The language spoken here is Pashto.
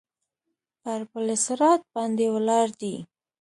پر پل صراط باندې ولاړ دی.